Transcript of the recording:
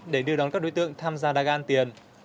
để đưa đón các đối tượng tham gia đá gà ăn tiền